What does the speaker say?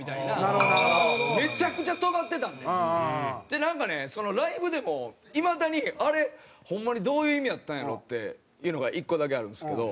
でなんかねライブでもいまだにあれホンマにどういう意味やったんやろう？っていうのが１個だけあるんですけど。